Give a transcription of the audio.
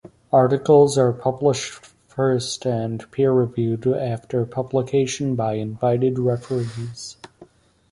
Articles are published first and peer reviewed after publication by invited referees.